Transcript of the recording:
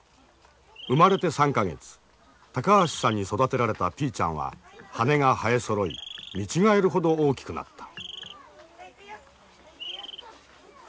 高橋さんに育てられたピーちゃんは羽が生えそろい見違えるほど大きくなった。